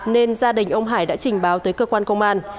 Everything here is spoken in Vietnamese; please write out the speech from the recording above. nên gia đình ông hải đã trình báo tới cơ quan công an